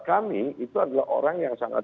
kami itu adalah orang yang sangat